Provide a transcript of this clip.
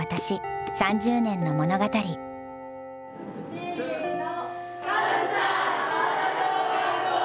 せの。